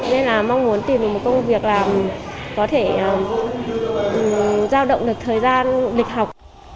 nên là mong muốn tìm được một công việc làm có thể giao động được thời gian lịch học